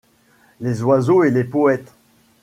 Les oiseaux et les poètes